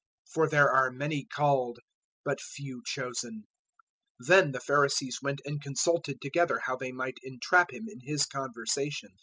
022:014 "For there are many called, but few chosen." 022:015 Then the Pharisees went and consulted together how they might entrap Him in His conversation.